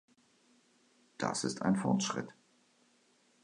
Das ist ein Fortschritt.